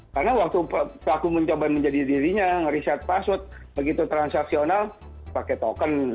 karena waktu aku mencoba menjadi dirinya ngereset password begitu transaksional pakai token